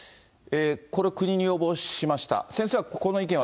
これ、国に要望しました。